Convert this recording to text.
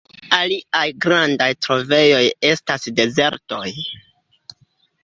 Aliaj grandaj trovejoj estas dezertoj.